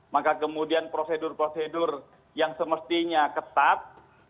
maka kemudian prosedur prosedur yang semestinya ketat